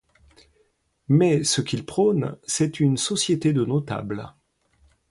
Mais ce qu'il prône, c'est une société de notables.